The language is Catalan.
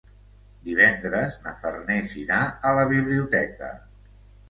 Divendres na Farners irà a la biblioteca.